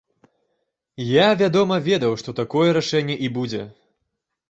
Я, вядома, ведаў, што такое рашэнне і будзе.